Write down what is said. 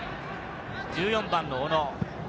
１４番の小野。